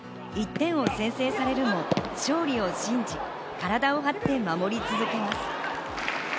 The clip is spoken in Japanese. １点を先制されるも、勝利を信じ、体を張って守り続けます。